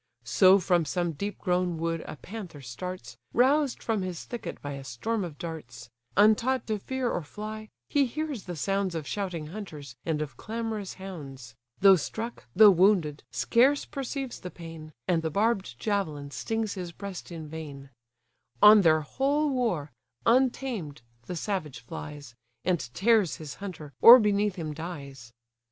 So from some deep grown wood a panther starts, Roused from his thicket by a storm of darts: Untaught to fear or fly, he hears the sounds Of shouting hunters, and of clamorous hounds; Though struck, though wounded, scarce perceives the pain; And the barb'd javelin stings his breast in vain: On their whole war, untamed, the savage flies; And tears his hunter, or beneath him dies.